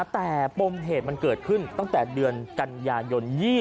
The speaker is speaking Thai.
แต่ปมเหตุมันเกิดขึ้นตั้งแต่เดือนกันยายน๒๕